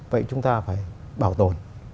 vậy chúng ta phải bảo tồn